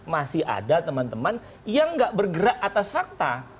masih ada teman teman yang nggak bergerak atas fakta